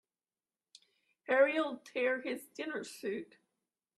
Harry'll tear his dinner suit.